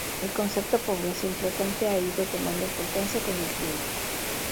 El concepto "población flotante" ha ido tomando importancia con el tiempo.